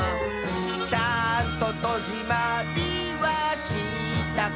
「ちゃんととじまりはしたかな」